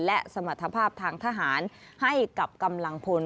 และสมรรถภาพทางทหารให้กับกำลังพล